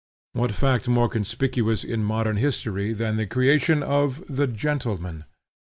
What fact more conspicuous in modern history than the creation of the gentleman?